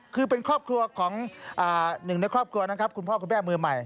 คือเป็นครอบครัวของหนึ่งในครอบครัวนะครับคุณพ่อคุณแม่มือใหม่